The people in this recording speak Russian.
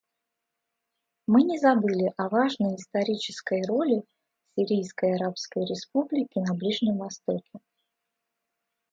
Мы не забыли о важной исторической роли Сирийской Арабской Республики на Ближнем Востоке.